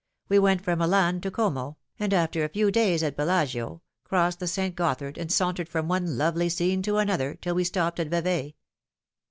We went from Milan to Como, and after a few days at Bellagio crossed the St. Gothard, and sauntered from one lovely scene to another till we stopped at Vevay.